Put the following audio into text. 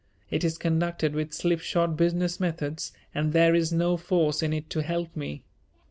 It is conducted with slipshod business methods and there is no force in it to help me.